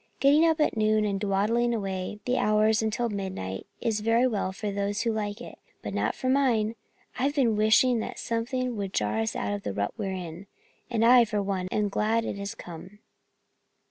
Getting up at noon and then dwaddling away the hours until midnight is all very well for those who like it, but not for mine! I've been wishing that something would jar us out of the rut we're in, and I, for one, am glad that it has come."